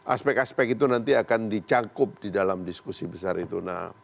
aspek aspek itu nanti akan dicangkup di dalam diskusi besar itu